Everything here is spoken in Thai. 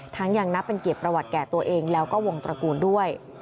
ยังนับเป็นเกียรติประวัติแก่ตัวเองแล้วก็วงตระกูลด้วย